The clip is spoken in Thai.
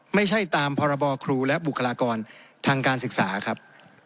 ไม่ใช่ตามพรบครูและบุคลากรทางการศึกษาครับ